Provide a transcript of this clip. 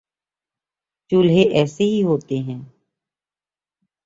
چولہے ایسے ہی ہوتے ہوں